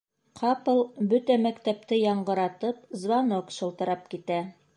Ҡапыл, бөтә мәктәпте яңғыратып, звонок шылтырап китә.